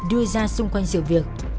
đưa ra xung quanh sự việc